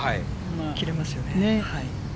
切れますよね。